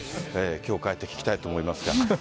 今日帰って聴きたいと思います。